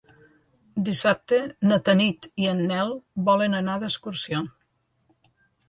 Dissabte na Tanit i en Nel volen anar d'excursió.